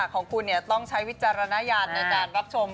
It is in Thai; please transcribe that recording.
ของคุณต้องใช้วิจารณญาณในการรับชม